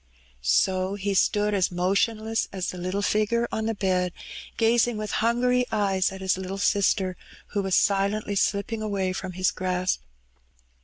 So he stood as motionless as the little Sgore on the bed, gazing with hangiy eyes at his little sister, who was silently slipping away from hia grasp.